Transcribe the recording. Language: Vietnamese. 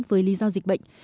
với lý do dịch bệnh